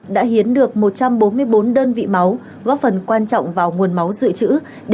đã hiến được một trăm bốn mươi bốn đơn vị máu góp phần quan trọng vào nguồn máu dự trữ